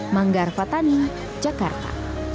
manggar fatani jakarta